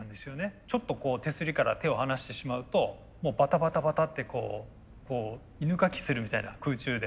ちょっと手すりから手を離してしまうともうバタバタバタって犬かきするみたいな空中で。